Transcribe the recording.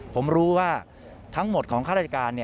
ผมรู้ว่าทั้งหมดของข้าราชการ